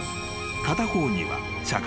［片方には］